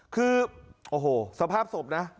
คือโอ้โหสภาพศพนะ